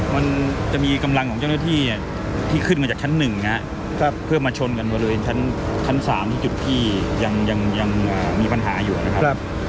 มันจะมีกำลังของเจ้าหน้าที่ที่ขึ้นมาจากชั้น๑นะครับเพื่อมาชนกันบริเวณชั้น๓ที่จุดที่ยังมีปัญหาอยู่นะครับ